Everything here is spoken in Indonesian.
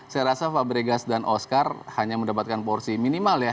saya rasa fabregas dan oscar hanya mendapatkan porsi minimal ya